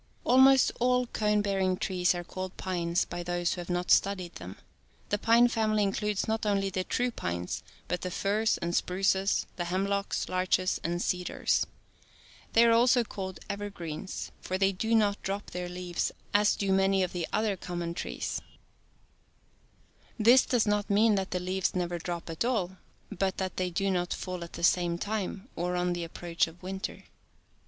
Almost all cone bearing trees are called pines by those who have not studied them. The pine family includes not only the true pines, but the firs and spruces, the hemlocks, larches and cedars. They are also called " evergreens," for they do not drop their leaves as do many of the other com 85 mon trees. This does not mean that the leaves never drop at all, but that they do not fall at the same time or on the approach of winter.